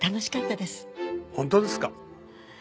本当ですか？